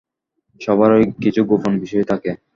সবারই কিছু গোপন বিষয় থাকে।